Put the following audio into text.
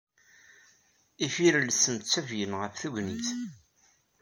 Ifirellsen ttafgen ɣef tegnit.